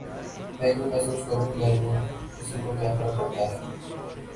میں یوں محسوس کروں یا یوں، کسی کو کیا فرق پڑتا ہے؟